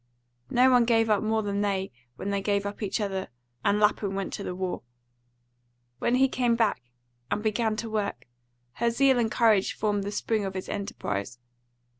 No one gave up more than they when they gave up each other and Lapham went to the war. When he came back and began to work, her zeal and courage formed the spring of his enterprise.